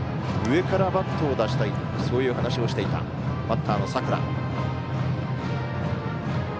上からバットを出したいとそういう話をしていたバッターの佐倉。